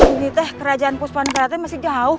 ini kerajaan puspan peratai masih jauh